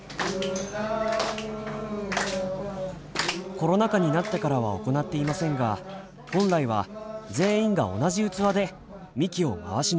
コロナ禍になってからは行っていませんが本来は全員が同じ器でみきを回し飲みします。